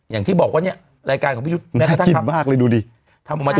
อย่างที่บอกว่าเนี่ยรายการของพี่ยุทธ์น่ากินมากเลยดูดิทำออกมาจาก